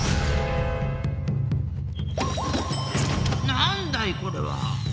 なんだいこれは。